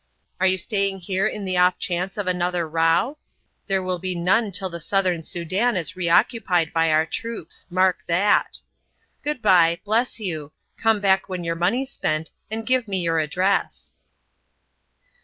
Are you staying here on the off chance of another row? There will be none till the Southern Soudan is reoccupied by our troops. Mark that. Good bye; bless you; come back when your money's spent; and give me your address."